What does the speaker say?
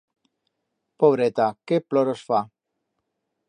Pobreta, qué ploros fa!